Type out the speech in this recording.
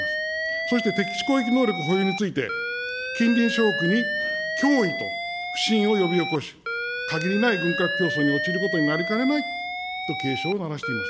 そして敵基地攻撃能力保有について、近隣諸国に脅威と不信を呼び起こし、限りない軍拡競争に陥ることになりかねないと警鐘を鳴らしています。